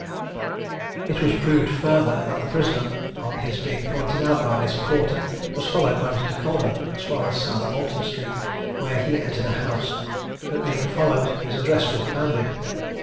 It was proved further, that the prisoner, on his being pointed out by Miss Porter, was followed by Mr. Coleman as far as South Molton street, where he entered a house, but being followed, his address was demanded.